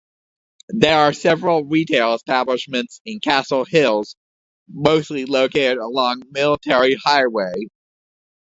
There are several retail establishments in Castle Hills, mostly located along Military Highway.